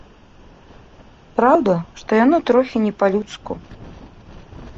Праўда, што яно трохі не па-людску.